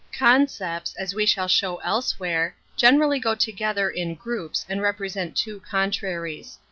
Concepts, as we shall show elsewhere, v generally go together in couples and repre sent two contraries.